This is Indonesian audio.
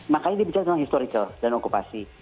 makanya ini bicara tentang historical dan okupasi